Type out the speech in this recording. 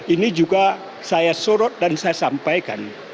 ini juga saya sorot dan saya sampaikan